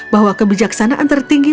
bahwa kebijaksanaan tertinggi